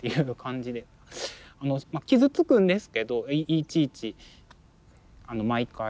まあ傷つくんですけどいちいち毎回。